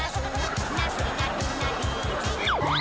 น่ารักไหมพี่